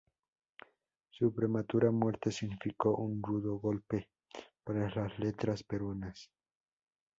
Su prematura muerte significó un rudo golpe para las letras peruanas.